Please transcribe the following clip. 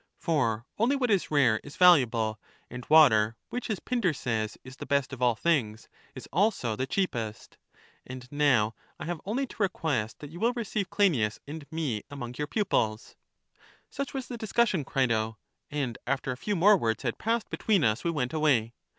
For only what is rare is valu able; and water, which, as Pindar says, is the best of all things, is also the cheapest. And now I have only to request that you will receive Cleinias and me among your pupils. Such was the discussion, Crito; and after a few more words had passed between us we went away.